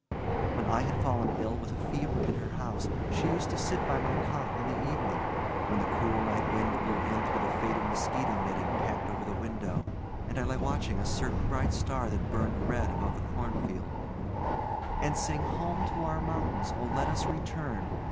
When I had fallen ill with a fever in her house she used to sit by my cot in the evening when the cool, night wind blew in through the faded mosquito netting tacked over the window, and I lay watching a certain bright star that burned red above the cornfield and sing "Home to our mountains, O, let us return!"